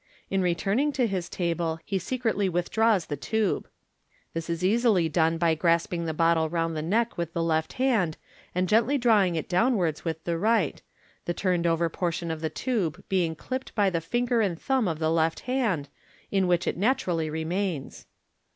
In returning to his table, he secretly withdraws the tube. (This is easily done by grasping the bottle round the neck with the left hand, and gently drawing it down wards with the right, the turned over portion of the tube being clipped by the finger and thumb of the left hand, in which it naturally remains.)